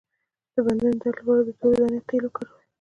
د بندونو درد لپاره د تورې دانې تېل وکاروئ